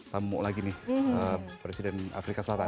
tamu lagi nih presiden afrika selatan